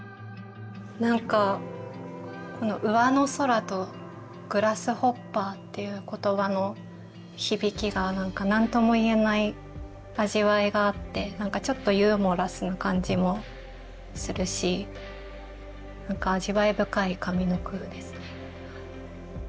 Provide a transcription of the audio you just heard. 何かこの「上の空」と「グラスホッパー」っていう言葉の響きが何とも言えない味わいがあって何かちょっとユーモラスな感じもするし何か味わい深い上の句ですね。